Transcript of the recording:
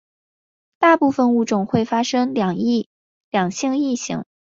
大部份物种会发生两性异形。